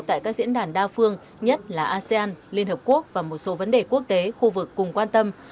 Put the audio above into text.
tại các diễn đàn đa phương nhất là asean liên hợp quốc và một số vấn đề quốc tế khu vực cùng quan tâm